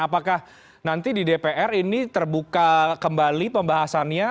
apakah nanti di dpr ini terbuka kembali pembahasannya